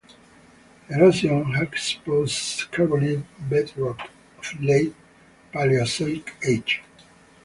Erosion has exposed carbonate bedrock of Late Paleozoic age.